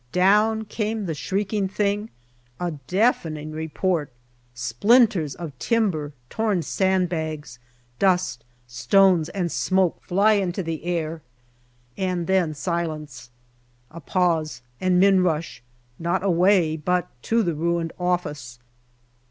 Down came the shrieking thing : a deafening report ; splinters of timber, torn sand bags, dust, stones, and smoke fly into the air, and then silence. A pause, and men rush, not away, but to the ruined office.